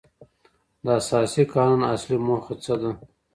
د اساسي قانون اصلي موخه څه ده؟